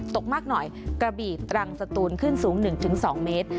ตกมากหน่อยกระบีตรังสตูนขึ้นสูง๑๒เมตร